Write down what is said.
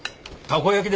たこ焼き？